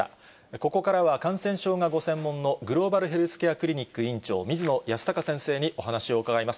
ここからは感染症がご専門のグローバルヘルスケアクリニック院長、水野泰孝先生にお話を伺います。